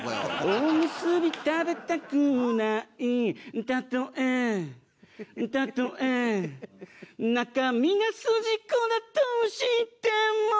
「おむすび食べたくない」「たとえたとえ」「中身がすじこだとしても」